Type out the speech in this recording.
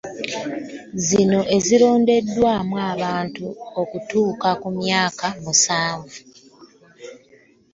Zino ezironderwamu abantu okutuuka ku myaka musanvu